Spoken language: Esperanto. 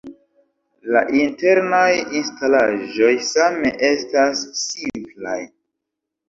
La internaj instalaĵoj same estas simplaj.